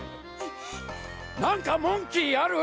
なんかモンキーある？